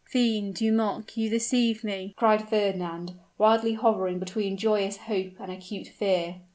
"Fiend! you mock you deceive me," cried Fernand, wildly hovering between joyous hope and acute fear.